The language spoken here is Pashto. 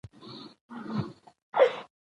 حاضري او کورني کار په ټاکلي وخت کتل،